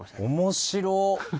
面白っ！